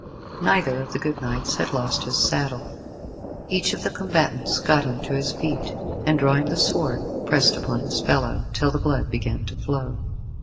Neither of the good knights had lost his saddle. Each of the combatants got him to his feet, and drawing the sword, pressed upon his fellow, till the blood began to flow.